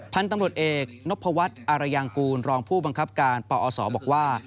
พันธุ์ตำรวจเอกนพวัฒน์อารยางกูลรองผู้บังคับการปอศบอกว่า